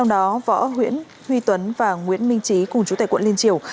trong đó võ huy tuấn và nguyễn minh trí cùng chú tại quận liên triều